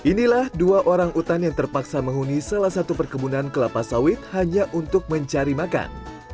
inilah dua orang utan yang terpaksa menghuni salah satu perkebunan kelapa sawit hanya untuk mencari makan